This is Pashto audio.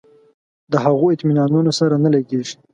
د هغو اطمینانونو سره نه لګېږي.